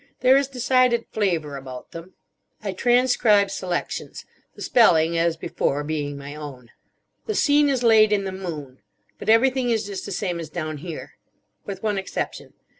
There is decided flavour about them. I transcribe selections; the spelling, as before, being my own. "The scene is laid in the Moon. But everything is just the same as down here. With one exception.